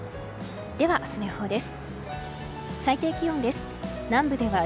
では明日の予報です。